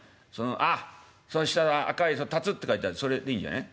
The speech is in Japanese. あっその下の赤い龍って書いてあるそれでいいんじゃない？